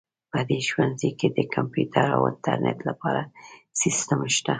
په دې ښوونځي کې د کمپیوټر او انټرنیټ لپاره سیسټم شته